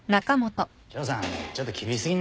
長さん。